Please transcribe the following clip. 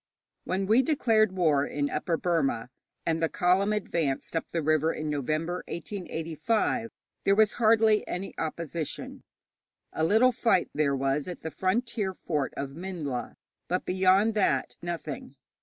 When we declared war in Upper Burma, and the column advanced up the river in November, 1885, there was hardly any opposition. A little fight there was at the frontier fort of Minhla, but beyond that nothing.